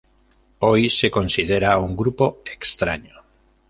Hoy se considera un grupo extraño.